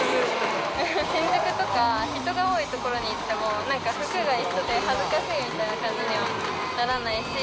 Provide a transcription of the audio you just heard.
新宿とか人が多い所に行っても、なんか服が一緒で恥ずかしいみたいな感じにはならないし。